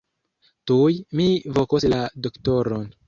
Tuj mi vokos la doktoron.